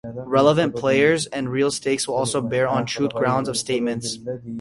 Relevant players and real stakes will also bear on truth-grounds of statements.